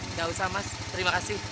nggak usah mas terima kasih